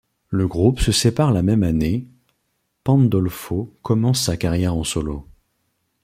Le groupe se sépare la même année, Pandolfo commence sa carrière en solo.